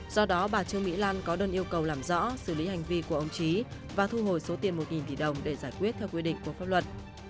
do đó bà trương mỹ lan có đơn yêu cầu làm rõ xử lý hành vi của ông trí và thu hồi số tiền một tỷ đồng để giải quyết theo quy định của pháp luật